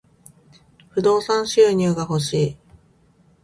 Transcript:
不動産収入が欲しい。